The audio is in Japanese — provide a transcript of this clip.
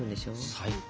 最高。